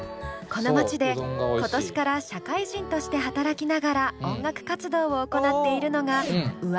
この街で今年から社会人として働きながら音楽活動を行っているのがｕａｍｉさん。